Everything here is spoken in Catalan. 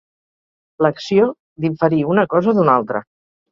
L'acció d'inferir una cosa d'una altra.